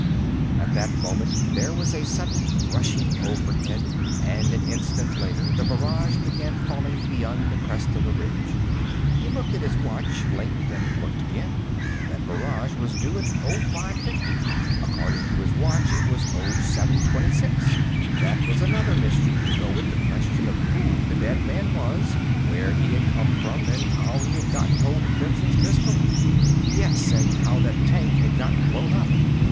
At that moment, there was a sudden rushing overhead, and an instant later, the barrage began falling beyond the crest of the ridge. He looked at his watch, blinked, and looked again. That barrage was due at 0550; according to his watch, it was 0726. That was another mystery, to go with the question of who the dead man was, where he had come from, and how he'd gotten hold of Benson's pistol. Yes, and how that tank had gotten blown up.